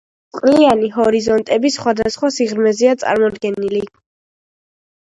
წყლიანი ჰორიზონტები სხვადასხვა სიღრმეზეა წარმოდგენილი.